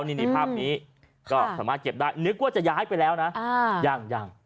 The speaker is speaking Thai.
นี่ภาพนี้ก็สามารถเก็บได้นึกว่าจะย้ายไปแล้วนะยังยัง